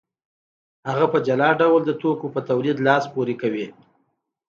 هغه په جلا ډول د توکو په تولید لاس پورې کوي